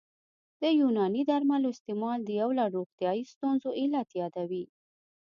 د یوناني درملو استعمال د یو لړ روغتیايي ستونزو علت یادوي